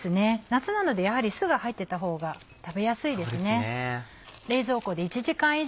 夏なのでやはり酢が入ってたほうが食べやすいですね。